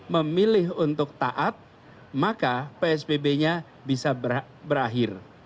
memilih untuk taat maka psbb nya bisa berakhir